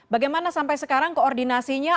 bagaimana sampai sekarang koordinasinya